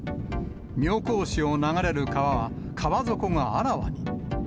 妙高市を流れる川は、川底があらわに。